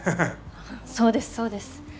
そうですそうです。